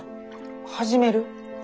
始める？